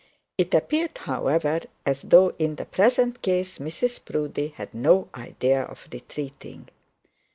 It appeared, however, as though in the present case Mrs Proudie had no idea of retreating.